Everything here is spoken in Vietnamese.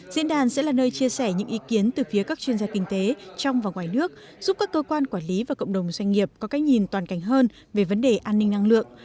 diễn đàn sẽ là nơi chia sẻ những ý kiến từ phía các chuyên gia kinh tế trong và ngoài nước giúp các cơ quan quản lý và cộng đồng doanh nghiệp có cách nhìn toàn cảnh hơn về vấn đề an ninh năng lượng